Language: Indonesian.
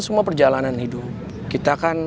semua perjalanan hidup kita kan